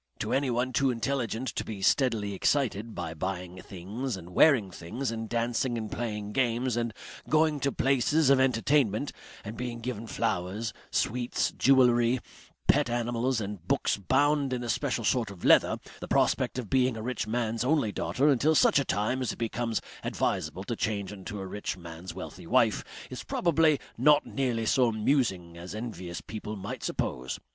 To anyone too intelligent to be steadily excited by buying things and wearing things and dancing and playing games and going to places of entertainment, and being given flowers, sweets, jewellery, pet animals, and books bound in a special sort of leather, the prospect of being a rich man's only daughter until such time as it becomes advisable to change into a rich man's wealthy wife, is probably not nearly so amusing as envious people might suppose.